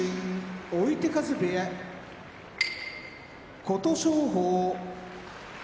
追手風部屋琴勝峰